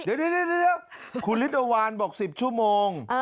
เดี๋ยวคุณฤทธวานบอก๑๐ชั่วโมง